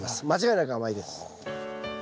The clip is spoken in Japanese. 間違いなく甘いです。